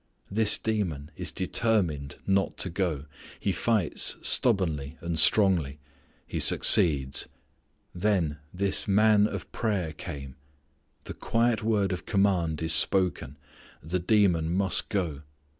This demon is determined not to go. He fights stubbornly and strongly. He succeeds. Then this Man of Prayer came. The quiet word of command is spoken. The demon must go.